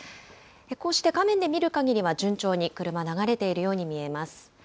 こうして画面で見るかぎりは、順調に車、流れてるように見えます。